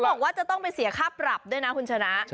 บอกว่าจะต้องไปเสียค่าปรับด้วยนะคุณชนะ